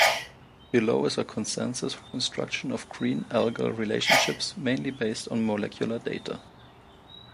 Below is a consensus reconstruction of green algal relationships, mainly based on molecular data.